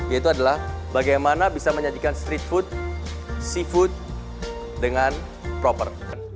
yaitu adalah bagaimana bisa menyajikan street food seafood dengan proper